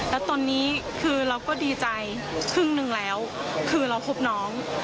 แล้วตอนนี้คือเราก็ดีใจครึ่งหนึ่งแล้วคือเราคบน้อง